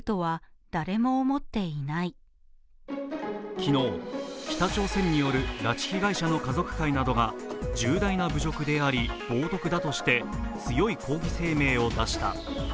昨日、北朝鮮による拉致被害者の家族会などが重大な侮辱であり、冒とくだとして強い抗議声明を出した。